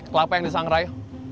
kelapa yang disangrai